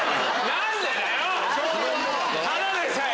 何でだよ